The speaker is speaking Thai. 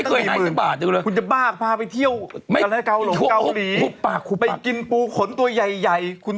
ถ้าสมมตินุ่มกัญชัย